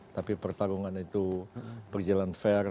tapi pertarungan itu berjalan fair